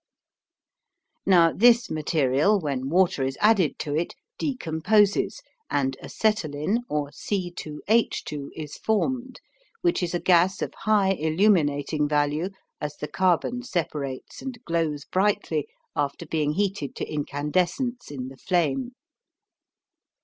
Now this material, when water is added to it, decomposes, and acetylene or C2H2 is formed, which is a gas of high illuminating value as the carbon separates and glows brightly after being heated to incandescence in the flame.